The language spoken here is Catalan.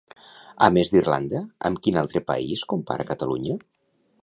A més d'Irlanda, amb quin altre país compara Catalunya?